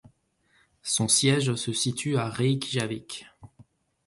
Son siège se situe à Reykjavik.